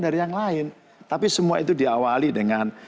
dari yang lain tapi semua itu diawali dengan